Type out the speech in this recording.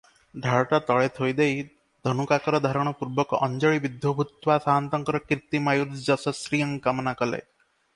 ଢାଳଟା ତଳେ ଥୋଇଦେଇ ଧନୁକାକାରଧାରଣ ପୂର୍ବକ 'ଅଞ୍ଜଳିବଧ୍ଵୋ ଭୂତ୍ଵା' ସାଆନ୍ତଙ୍କର 'କୀର୍ତ୍ତିମାୟୁର୍ଯଶଃଶ୍ରିୟଂ' କାମନା କଲେ ।